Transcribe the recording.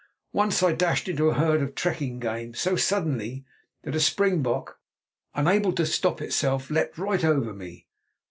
Once I dashed into a herd of trekking game so suddenly, that a springbok, unable to stop itself, leapt right over me.